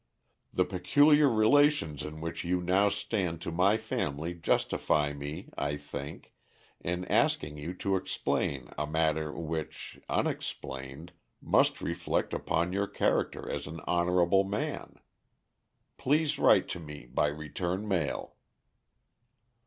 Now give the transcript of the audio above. The peculiar relations in which you now stand to my family justify me, I think, in asking you to explain a matter which, unexplained, must reflect upon your character as an honorable man. Please write to me by return mail."